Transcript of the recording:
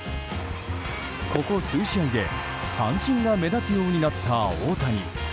ここ数試合で三振が目立つようになった大谷。